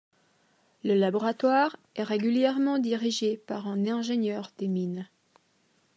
Le laboratoire est régulièrement dirigé par un ingénieur des Mines.